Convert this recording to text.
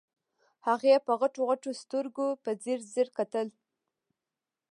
هغې په غټو غټو سترګو په ځير ځير کتل.